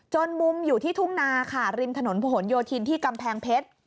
มุมอยู่ที่ทุ่งนาค่ะริมถนนผนโยธินที่กำแพงเพชร